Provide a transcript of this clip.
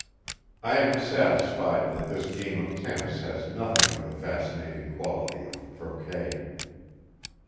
I am satisfied that this game of tennis has nothing of the fascinating quality of croquet.